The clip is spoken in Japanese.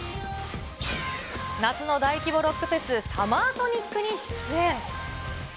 夏の大規模ロックフェス、サマーソニックに出演。